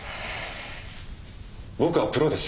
僕はプロです。